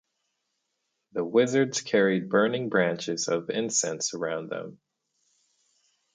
The wizards carried burning branches of incense around them.